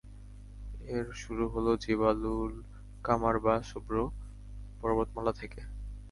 এর শুরু হলো জিবালুল কামার বা শুভ্র পর্বতমালা থেকে।